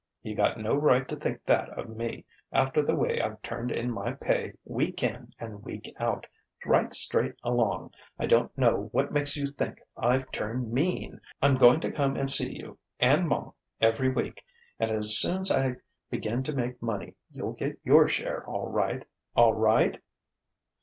You got no right to think that of me, after the way I've turned in my pay week in and week out, right straight along. I don't know what makes you think I've turned mean. I'm going to come and see you and ma every week, and as soon's I begin to make money you'll get your share, all right, all right!"